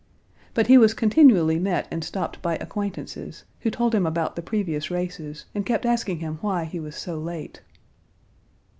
But he was continually met and stopped by acquaintances, who told him about the previous races, and kept asking him why he was so late.